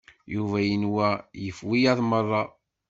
Yuba yenwa yif wiyaḍ meṛṛa.